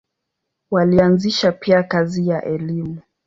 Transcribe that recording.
Walianzisha pia kazi ya elimu.